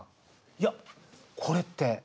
いやこれって。